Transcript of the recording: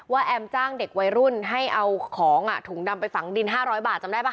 แอมจ้างเด็กวัยรุ่นให้เอาของถุงดำไปฝังดิน๕๐๐บาทจำได้ป่